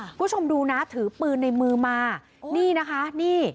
คุณผู้ชมดูนะถือปืนในมือมานี่นะคะนี่